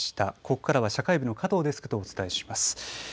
ここからは社会部の加藤デスクとお伝えします。